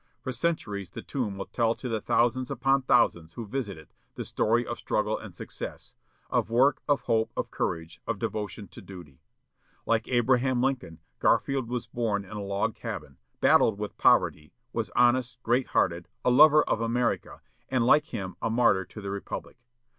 For centuries the tomb will tell to the thousands upon thousands who visit it the story of struggle and success; of work, of hope, of courage, of devotion to duty. Like Abraham Lincoln, Garfield was born in a log cabin, battled with poverty, was honest, great hearted, a lover of America, and, like him, a martyr to the republic.